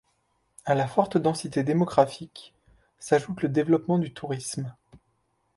A la forte densité démographique, s'ajoute le développement du tourisme.